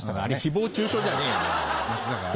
あれ誹謗中傷じゃねえよな。